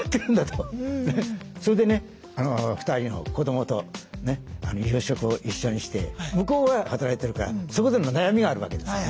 それでね２人の子どもと夕食を一緒にして向こうは働いてるからそこでの悩みがあるわけですよね。